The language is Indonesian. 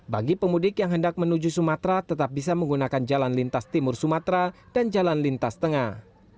bagi pemudik yang hendak menuju sumatera tetap bisa menggunakan jalan lintas timur sumatera dan jalan lintas tengah